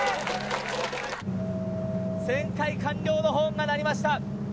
旋回完了のホーンが鳴りました。